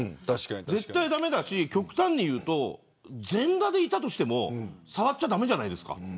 絶対に駄目だし極端に言うと全裸でいたとしても触っちゃ駄目じゃないですか。